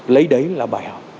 lấy đấy là bài học